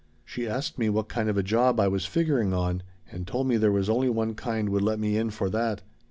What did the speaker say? She asked me what kind of a job I was figuring on and told me there was only one kind would let me in for that.